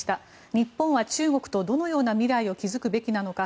日本は中国とどのような未来を築くべきなのか。